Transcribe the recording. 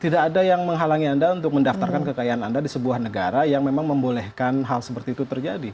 tidak ada yang menghalangi anda untuk mendaftarkan kekayaan anda di sebuah negara yang memang membolehkan hal seperti itu terjadi